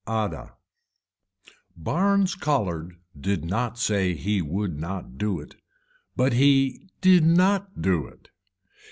ADA Barnes Colhard did not say he would not do it but he did not do it.